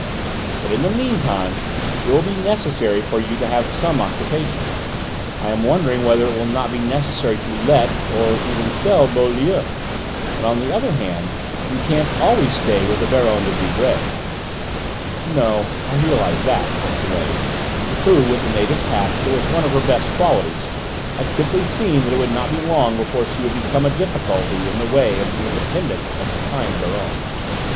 But in the meantime it will be necessary for you to have some occupation. I am wondering whether it will not be necessary to let, or even to sell Beaulieu. And, on the other hand, you can't always stay with the Baronne de Vibray." "No, I realise that," said Thérèse, who, with the native tact that was one of her best qualities, had quickly seen that it would not be long before she would become a difficulty in the way of the independence of the kind Baronne.